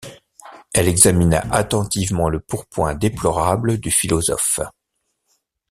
Elle examina attentivement le pourpoint déplorable du philosophe.